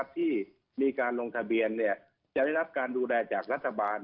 ที่มีการลงทะเบียนจะได้รับการดูแลจากรัฐบาล